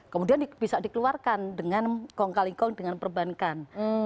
kemudian bisa dikeluarkan dengan kong kali kong dengan perbankan